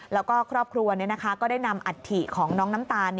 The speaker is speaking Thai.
แล้วก็ครอบครัวก็ได้นำอัฐิของน้องน้ำตาล